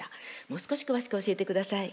もう少し詳しく教えてください。